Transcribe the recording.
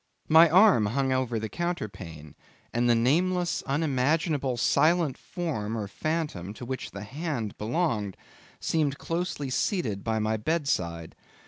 My arm hung over the counterpane, and the nameless, unimaginable, silent form or phantom, to which the hand belonged, seemed closely seated by my bed side.